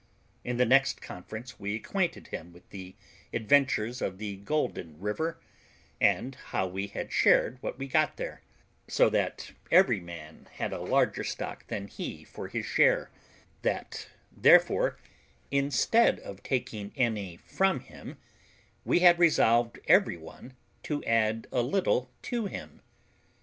In the next conference we acquainted him with the adventures of the Golden River, and how we had shared what we got there, so that every man had a larger stock than he for his share; that, therefore, instead of taking any from him, we had resolved every one to add a little to him.